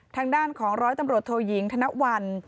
ทางด้านของร้อยตำรวจโทยิงธนวัล